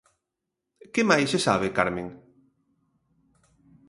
Que máis se sabe, Carmen?